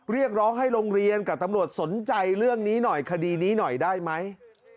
เรียกร้องให้โรงเรียนกับตำรวจสนใจเรื่องนี้หน่อยคดีนี้หน่อยได้ไหม